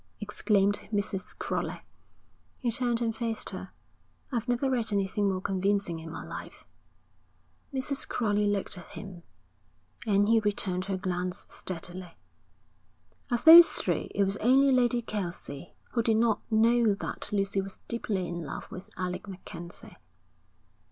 exclaimed Mrs. Crowley. He turned and faced her. 'I've never read anything more convincing in my life.' Mrs. Crowley looked at him, and he returned her glance steadily. Of those three it was only Lady Kelsey who did not know that Lucy was deeply in love with Alec MacKenzie.